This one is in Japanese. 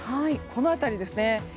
この辺りですね。